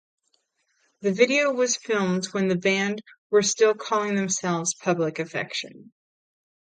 The video was filmed when the band were still calling themselves Public Affection.